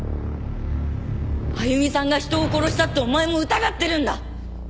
あゆみさんが人を殺したってお前も疑ってるんだ。